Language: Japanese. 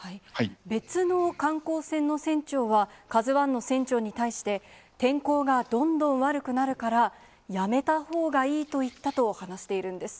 別の観光船の船長は、カズワンの船長に対して、天候がどんどん悪くなるから、やめたほうがいいと言ったと話しているんです。